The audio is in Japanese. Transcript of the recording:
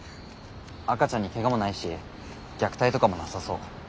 赤ちゃんにケガもないし虐待とかもなさそう。